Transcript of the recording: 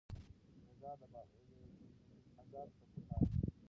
رضا بالقضا د سکون لاره ده.